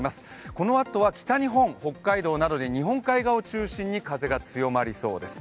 このあとは北日本、北海道などで日本海側を中心に風が強まりそうです。